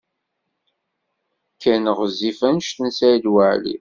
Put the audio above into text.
Ken ɣezzif anect n Saɛid Waɛli.